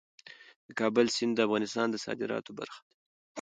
د کابل سیند د افغانستان د صادراتو برخه ده.